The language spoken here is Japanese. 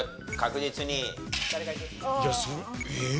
いやえっ？